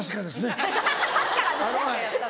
アハハ確かなんですね。